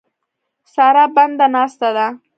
سارا برنده ناسته ده.